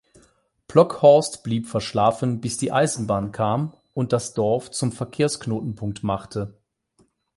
Plockhorst blieb verschlafen, bis die Eisenbahn kam und das Dorf zum Verkehrsknotenpunkt machte.